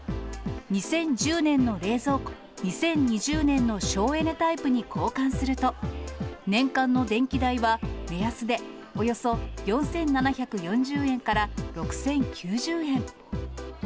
２０１０年の冷蔵庫を、２０２０年の省エネタイプに交換すると、年間の電気代は、目安でおよそ４７４０円から６０９０円。